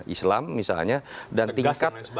islam misalnya dan tingkat